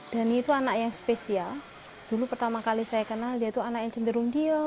dhani itu anak yang spesial dulu pertama kali saya kenal dia itu anak yang cenderung dio